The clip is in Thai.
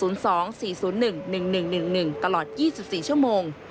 ตลอด๒๔ชั่วโมง